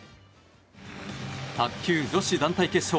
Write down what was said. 卓球女子団体決勝。